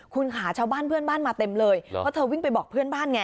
คุณค่ะชาวบ้านเพื่อนบ้านมาเต็มเลยเพราะเธอวิ่งไปบอกเพื่อนบ้านไง